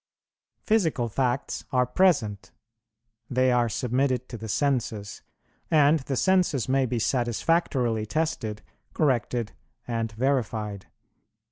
Physical facts are present; they are submitted to the senses, and the senses may be satisfactorily tested, corrected, and verified.